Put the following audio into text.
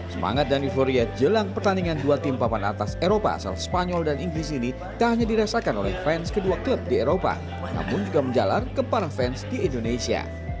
semangat dan euforia jelang pertandingan dua tim papan atas eropa asal spanyol dan inggris ini tak hanya dirasakan oleh fans kedua klub di eropa namun juga menjalar ke para fans di indonesia